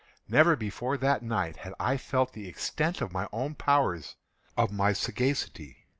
Never before that night had I felt the extent of my own powers—of my sagacity.